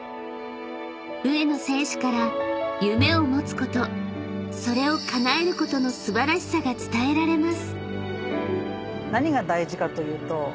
［上野選手から夢を持つことそれをかなえることの素晴らしさが伝えられます］